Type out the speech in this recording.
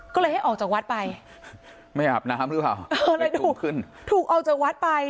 ก็เลยให้ออกจากวัดไปไม่อาบน้ำหรือเปล่าเออเลยถูกขึ้นถูกออกจากวัดไป